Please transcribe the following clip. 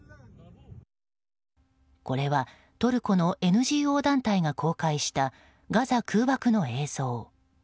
これはトルコのＮＧＯ団体が公開した、ガザ空爆の映像。